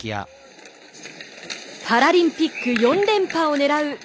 パラリンピック４連覇を狙う